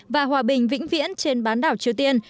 và hòa bình vĩnh viễn trên bán đảo triều tiên